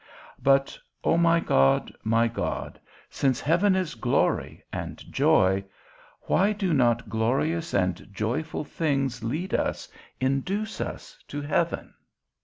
But, O my God, my God, since heaven is glory and joy, why do not glorious and joyful things lead us, induce us to heaven?